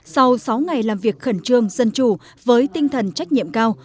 sau sáu ngày làm việc khẩn trương dân chủ với tinh thần trách nhiệm cao